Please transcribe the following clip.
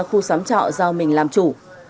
khu xóm trọ do mình làm chủ